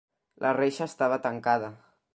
La reixa estava tancada.